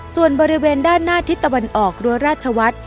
ส่วนบริเวณด้านหน้าทิศตะวันออกรั้วราชวัฒน์